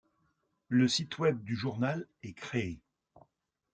Le site web du journal est créé.